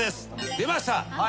出ました。